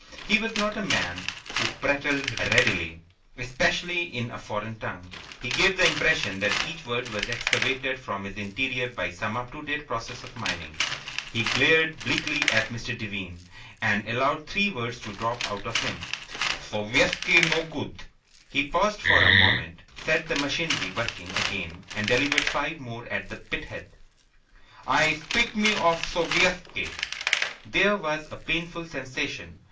He was not a man who prattled readily, especially in a foreign tongue. He gave the impression that each word was excavated from his interior by some up to date process of mining. He glared bleakly at Mr. Devine, and allowed three words to drop out of him. "Sovietski no good!" He paused for a moment, set the machinery working again, and delivered five more at the pithead. "I spit me of Sovietski!" There was a painful sensation.